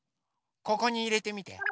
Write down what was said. ここにいれてみて。